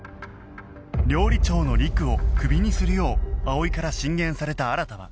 料理長のりくをクビにするよう葵から進言された新は